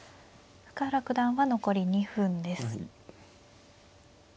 深浦九段は残り２分です。